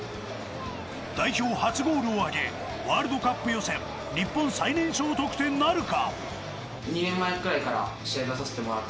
代表初ゴールを挙げ、ワールドカップ予選日本最年少得点なるか。